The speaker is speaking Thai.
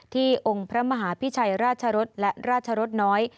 องค์พระมหาพิชัยราชรสและราชรสน้อย